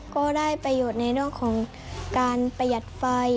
ก็ได้ประโยชน์ในเรื่องของการประหยัดไฟ